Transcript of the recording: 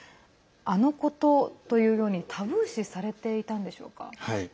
「あのこと」というようにタブー視されていたんでしょうか。